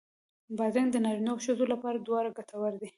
بادرنګ د نارینو او ښځو لپاره دواړو ګټور دی.